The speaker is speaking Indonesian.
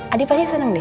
adi pasti seneng deh